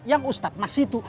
yang ustadz mas itu